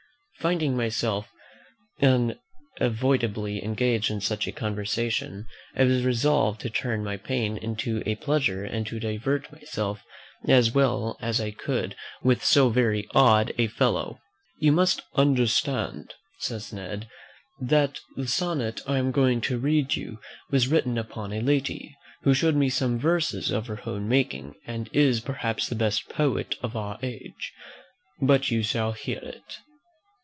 Finding myself unavoidably engaged in such a conversation, I was resolved to turn my pain into a pleasure and to divert myself as well as I could with so very odd a fellow. "You must understand," says Ned, "that the sonnet I am going to read to you was written upon a lady, who showed me some verses of her own making, and is, perhaps, the best poet of our age. But you shall hear it."